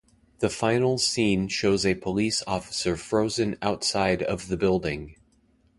The final scene shows a police officer frozen outside of the building.